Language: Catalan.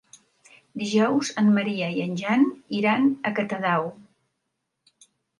Dijous en Maria i en Jan iran a Catadau.